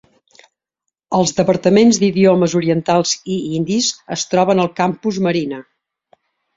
Els departaments d'idiomes orientals i indis es troben al Campus Marina.